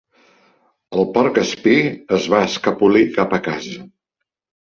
El porc espí es va escapolir cap a casa.